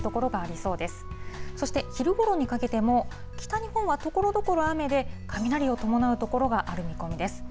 そして、昼ごろにかけても北日本はところどころ雨で、雷を伴う所がある見込みです。